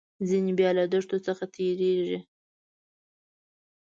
ځینې بیا له دښتو څخه تیریږي.